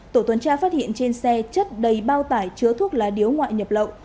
tổ tuần tra phát hiện trên xe chất đầy bao tải chứa thuốc lá điếu ngoại nhập lậu